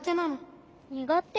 にがて？